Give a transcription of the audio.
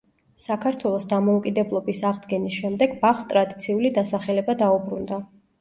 საქართველოს დამოუკიდებლობის აღდგენის შემდეგ ბაღს ტრადიციული დასახელება დაუბრუნდა.